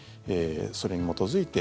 それに基づいて